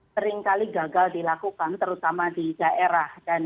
seringkali gagal dilakukan terutama di daerah